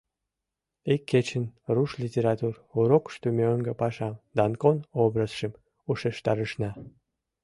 Ик кечын руш литератур урокышто мӧҥгӧ пашам — Данкон образшым — ушештарышна.